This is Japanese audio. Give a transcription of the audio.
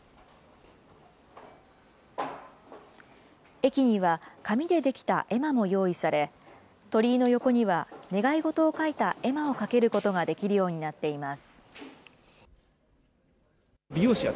駅には、紙で出来た絵馬も用意され、鳥居の横には、願い事を書いた絵馬を掛けることができるようになっています。